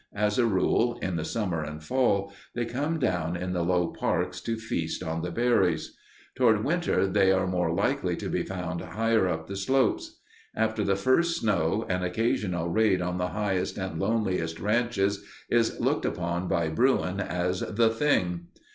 As a rule, in the summer and fall they come down in the low parks to feast on the berries. Toward winter they are more likely to be found higher up the slopes. After the first snow an occasional raid on the highest and loneliest ranches is looked upon by Bruin as "the thing."